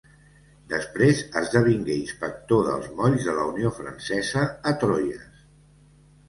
Després esdevingué inspector dels Molls de la Unió Francesa a Troyes.